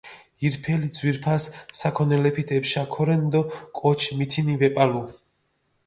ირფელი ძვირფასი საქონელეფით ეფშა ქორენ დო კოჩი მითინი ვეპალუ.